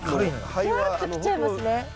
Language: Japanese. ふわっときちゃいますね。